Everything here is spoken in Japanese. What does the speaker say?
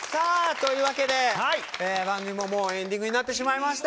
というわけで、番組ももうエンディングになってしまいました。